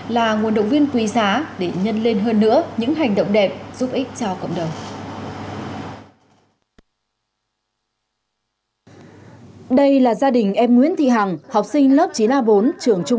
là nguồn động viên quý giá để nhân lên hơn nữa những hành động đẹp giúp ích cho cộng đồng